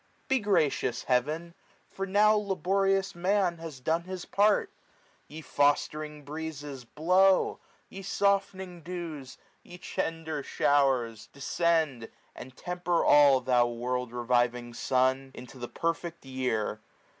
Be gracious, Heaven ! for now laborious man Has done his part. Ye fostering breezes ! blow ; Ye softening dews! ye tender showers! descend; 50 And temper all, thou world reviving sun ! Into the perfect year.